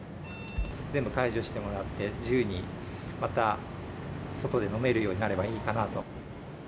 全部解除してもらって、自由にまた外で飲めるようになればいいかなと。